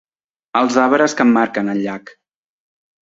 Els arbres que emmarquen el llac.